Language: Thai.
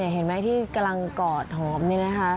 เห็นไหมที่กำลังกอดหอมนี่นะคะ